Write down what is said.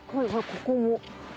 ここも。